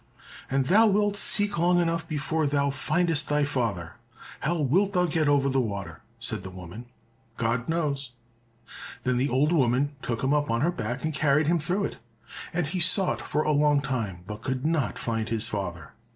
"And thou wilt seek long enough before thou findest thy father. How wilt thou get over the water?" said the woman. "God knows." Then the old woman took him up on her back and carried him through it, and he sought for a long time, but could not find his father.